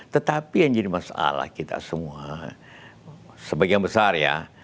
tetapi yang jadi masalah kita semua sebagian besar ya